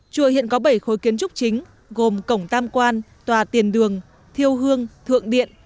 chùa hiện có bảy khối kiến trúc chính gồm cổng tam quan tòa tiền đường thiêu hương thượng điện